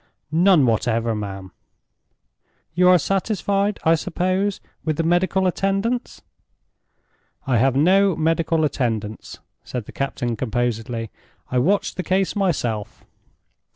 "None whatever, ma'am." "You are satisfied, I suppose, with the medical attendance?" "I have no medical attendance," said the captain, composedly. "I watch the case myself."